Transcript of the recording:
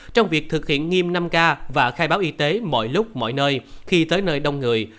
trong việc thực hiện nghiêm năm k và khai báo y tế mọi lúc mọi nơi khi tới nơi đông người